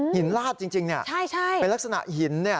หินลาดจริงเนี่ยเป็นลักษณะหินเนี่ย